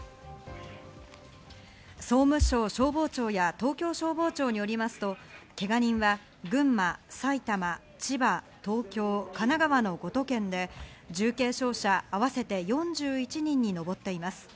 総務省消防庁や東京消防庁によりますと、けが人は群馬、埼玉、千葉、東京、神奈川の５都県で重軽傷者、合わせて４１人に上っています。